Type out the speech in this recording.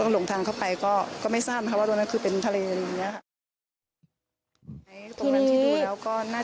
หลงทางเข้าไปก็ไม่ทราบนะคะว่าตรงนั้นคือเป็นทะเลอะไรอย่างนี้ค่ะ